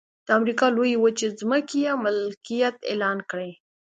د امریکا لویې وچې ځمکې یې ملکیت اعلان کړې.